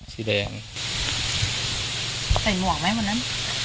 ใส่หมวกไหมวันนั้น